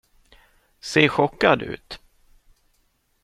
Se chockad ut.